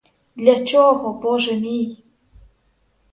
Для чого, боже мій?